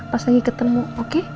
pas lagi ketemu oke